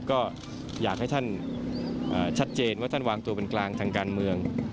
ก็อยากให้ท่านชัดเจนว่าท่านวางตัวเป็นกลางทางการเมือง